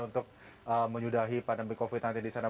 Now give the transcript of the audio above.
untuk menyudahi pandemi covid sembilan belas di sana